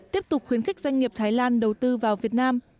tiếp tục khuyến khích doanh nghiệp thái lan đầu tư vào việt nam